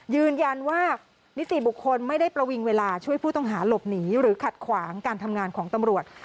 ยืนยันว่านิติบุคคลไม่ได้ประวิงเวลาช่วยผู้ต้องหาหลบหนีหรือขัดขวางการทำงานของตำรวจ